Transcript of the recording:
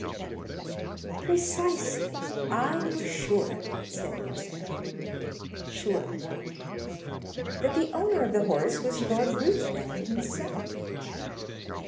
'" "Precisely; I was sure of it," said Morcerf. "Sure of what?" "That the owner of the horse was Lord Ruthven himself."